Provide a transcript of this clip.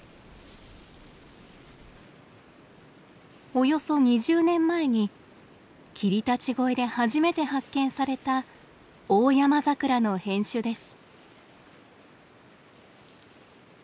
およそ２０年前に霧立越で初めて発見されたオオヤマザクラの変種です。